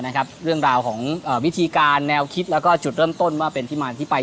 เรื่องราวของวิธีการแนวคิดแล้วก็จุดเริ่มต้นว่าเป็นที่มาที่ไป